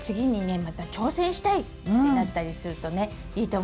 「また挑戦したい」ってなったりするとねいいと思います。